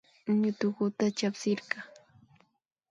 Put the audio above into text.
Ñutukata chaspirka